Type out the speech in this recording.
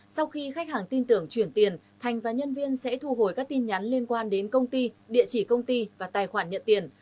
sau khi khách hàng tin tưởng chuyển tiền thành và nhân viên sẽ thu hồi các tin nhắn liên quan đến công ty địa chỉ công ty và tài khoản nhận tiền